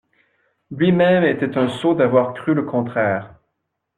Lui-même était un sot d'avoir cru le contraire.